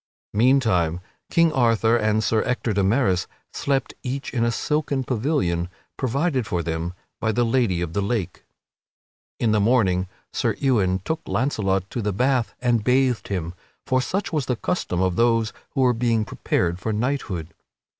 Meantime King Arthur and Sir Ector de Maris slept each in a silken pavilion provided for them by the Lady of the Lake. In the morning Sir Ewain took Launcelot to the bath and bathed him, for such was the custom of those who were being prepared for knighthood.